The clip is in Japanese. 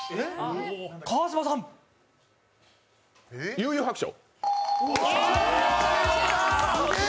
「幽☆遊☆白書」。